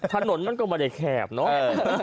ถนนมันก็ไม่ได้แคบเนอะ